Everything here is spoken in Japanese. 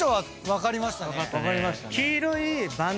分かりましたね。